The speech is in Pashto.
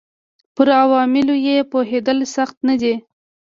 پر عواملو یې پوهېدل سخت نه دي.